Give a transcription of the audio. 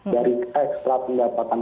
dari ekstra pendapatan